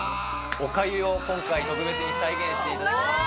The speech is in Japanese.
おかゆを今回、特別に再現していただきました。